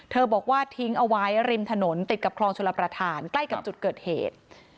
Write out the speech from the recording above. บอกว่าทิ้งเอาไว้ริมถนนติดกับคลองชลประธานใกล้กับจุดเกิดเหตุ